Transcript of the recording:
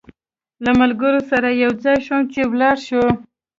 له ملګرو سره یو ځای شوم چې ولاړ شو.